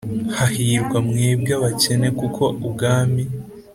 Hahirwa mwebwe abakene Kuko ubwami